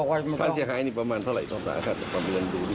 ความเสียหายนี่ประมาณเท่าไรครับค่ะแต่ประเมินดูสิ